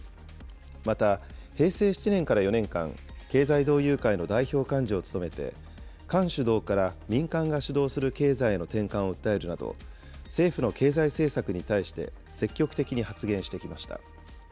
また、平成７年から４年間、経済同友会の代表幹事を務めて、官主導から民間が主導する経済への転換を訴えるなど、政府の経済政策に対して積極的に発言してきました。